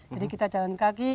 jadi kita jalan kaki